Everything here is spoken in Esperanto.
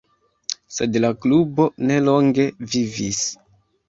Sed la klubo ne longe vivis.